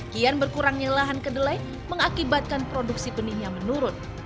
kian berkurangnya lahan kedelai mengakibatkan produksi benihnya menurun